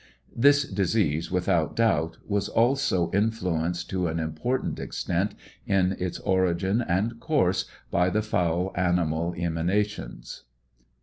This disease, without doubt, was also influ enced to an important extent in its origin and course by the foul animal emanations.